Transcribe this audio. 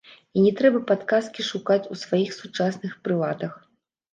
І не трэба падказкі шукаць у сваіх сучасных прыладах!